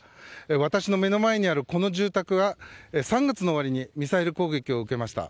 私の目の前にある、この住宅は３月の終わりにミサイル攻撃を受けました。